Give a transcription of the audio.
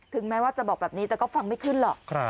แม้ว่าจะบอกแบบนี้แต่ก็ฟังไม่ขึ้นหรอก